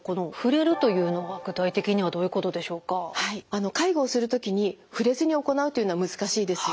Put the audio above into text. あの介護をするときに触れずに行うというのは難しいですよね。